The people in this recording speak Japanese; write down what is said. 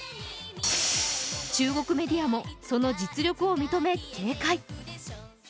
中国メディアもその実力を認め警戒。